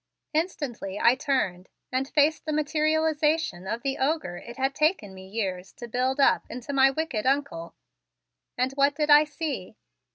Instantly I turned and faced the materialization of the ogre it had taken me years to build up into my wicked Uncle. And what did I see?